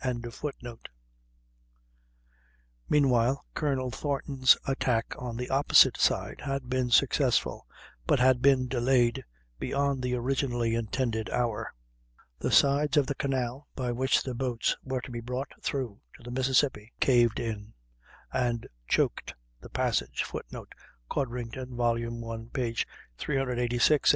] Meanwhile Colonel Thornton's attack on the opposite side had been successful, but had been delayed beyond the originally intended hour. The sides of the canal by which the boats were to be brought through to the Mississippi caved in, and choked the passage, [Footnote: Codrington, i, 386.